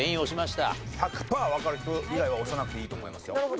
１００パーわかる人以外は押さなくていいと思いますよ。